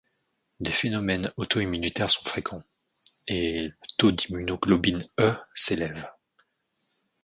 Des phénomènes auto-immunitaires sont fréquents et le taux d'immunoglobine E s'élève.